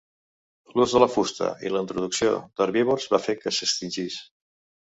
L'ús de la fusta i la introducció d'herbívors va fer que s'extingís.